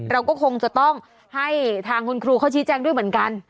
เราก็คงจะต้องให้ทางคุณครูเขาชี้แจ้งด้วยเหมือนกัน